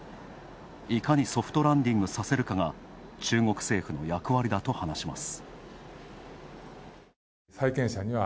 いかにソフトランディングさせるかが中国政府の役割だと話します。